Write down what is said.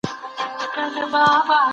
مثبت فکر ورځنی ژوند اسانه کوي.